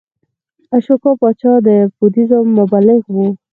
اشوکا پاچا د بودیزم مبلغ و